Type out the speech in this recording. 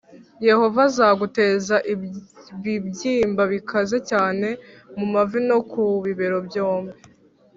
“Yehova azaguteza ibibyimba bikaze cyane mu mavi no ku bibero byombi,